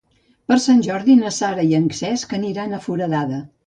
Per Sant Jordi na Sara i en Cesc aniran a Foradada.